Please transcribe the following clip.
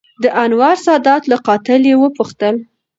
دانور سادات له قاتل یې وپوښتل